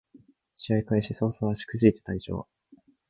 試合開始そうそう足くじいて退場